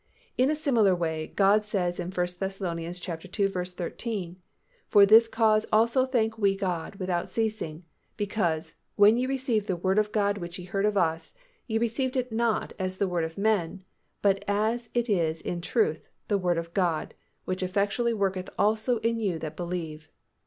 In a similar way God says in 1 Thess. ii. 13, "For this cause also thank we God without ceasing, because, when ye received the word of God which ye heard of us, ye received it not as the word of men, but as it is in truth, the word of God, which effectually worketh also in you that believe."